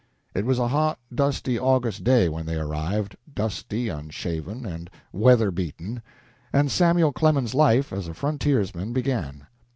It was a hot dusty, August day when they arrived, dusty, unshaven, and weather beaten, and Samuel Clemens's life as a frontiersman began.